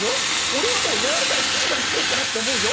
俺はもうやられたら静かにしよっかなって思うよ。